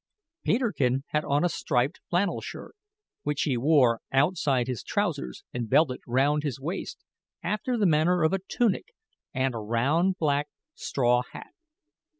Peterkin had on a striped flannel shirt which he wore outside his trousers and belted round his waist, after the manner of a tunic and a round black straw hat.